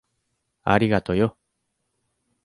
ありがとよ。